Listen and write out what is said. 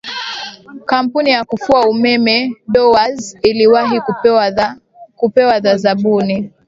kampuni ya kufua umeme dowarz iliowahi kupewa dha zabuni